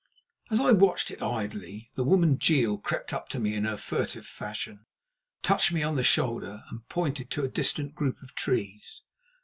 As I watched it idly, the woman, Jeel, crept up to me in her furtive fashion, touched me on the shoulder and pointed to a distant group of trees.